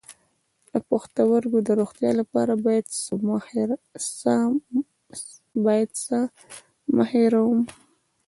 د پښتورګو د روغتیا لپاره باید څه مه هیروم؟